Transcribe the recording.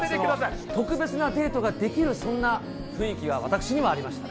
特別なデートができる、そんな雰囲気が私にはありました